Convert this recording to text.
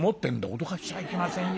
「驚かしちゃいけませんよ」。